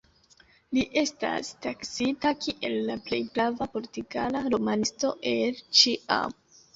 Li estas taksita kiel la plej grava portugala romanisto el ĉiam.